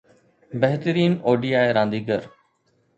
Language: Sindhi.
بهترين ODI رانديگر